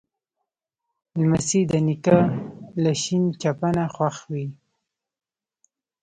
لمسی د نیکه له شین چپنه خوښ وي.